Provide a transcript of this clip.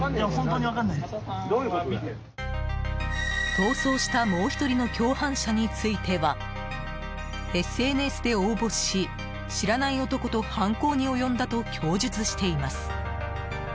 逃走したもう１人の共犯者についてはＳＮＳで応募し、知らない男と犯行に及んだと供述しています。